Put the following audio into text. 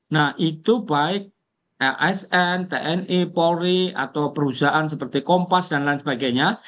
nah itu baik asn tni polri atau perusahaan seperti kompas dan lain sebagainya